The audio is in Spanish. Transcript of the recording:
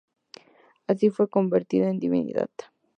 Así fue convertido en divinidad.